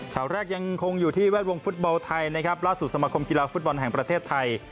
ข่าวแรกยังคงอยู่ที่แวดวงฟุตบอลไทยนะครับล่าสุดสมคมกีฬาฟุตบอลแห่งประเทศไทย